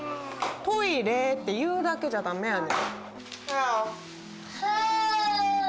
トイレって言うだけじゃだめやねん。